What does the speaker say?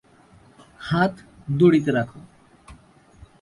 হাত দড়িতে রাখো।